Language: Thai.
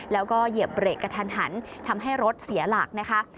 แล้วก็เหยียบเบรกกระทันหันทำให้รถเสียหลักนะคะ